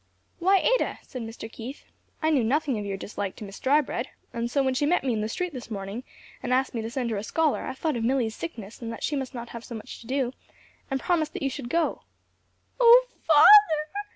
"Why, Ada," said Mr. Keith, "I knew nothing of your dislike to Miss Drybread; and so when she met me in the street this morning and asked me to send her a scholar, I thought of Milly's sickness and that she must not have so much to do, and promised that you should go." "O father!"